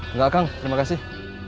enggak kang terima kasih